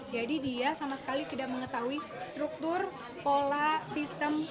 jadi dia sama sekali tidak mengetahui struktur pola sistem